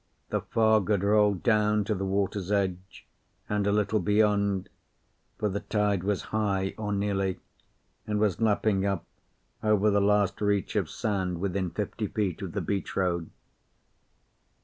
The fog had rolled down to the water's edge, and a little beyond, for the tide was high, or nearly, and was lapping up over the last reach of sand within fifty feet of the beach road.